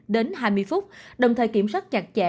đến hai mươi phút đồng thời kiểm soát chặt chẽ